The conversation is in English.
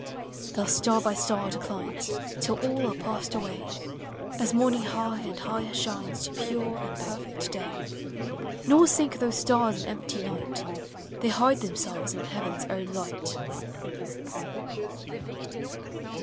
Thus star by star declines, Till all are passed away. As morning high and higher shines, To pure and perfect day; Nor sink those stars in empty night; They hide themselves in heaven's own light.